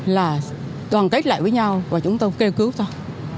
là đoàn kết lại với nhau và chúng tôi kêu cứu thôi